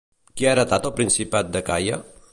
Qui va heretar el Principat d'Acaia?